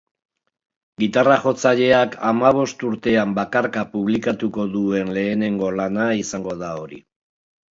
Gitarra-jotzaileak hamabost urtean bakarka publikatuko duen lehenengo lana izango da hori.